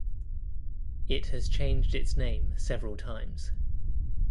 It has changed its name several times.